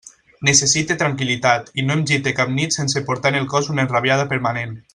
Necessite tranquil·litat, i no em gite cap nit sense portar en el cos una enrabiada permanent.